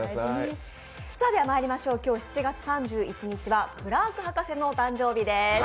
今日７月３１日はクラーク博士の誕生日です。